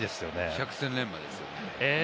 百戦錬磨ですよね。